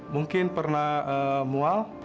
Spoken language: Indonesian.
mungkin pernah mual